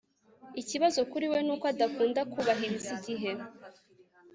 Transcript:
Ikibazo kuri we nuko adakunda kubahiriza igihe